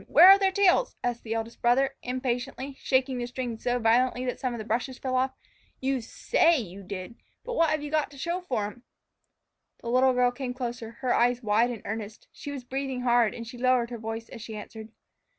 where are their tails?" asked the eldest brother, impatiently, shaking the string so violently that some of the brushes fell off. "You say you did but what have you got to show for 'em?" The little girl came closer, her eyes wide and earnest. She was breathing hard and she lowered her voice as she answered.